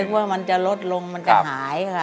ว่ามันจะลดลงมันจะหายค่ะ